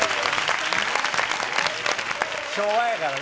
昭和やからね。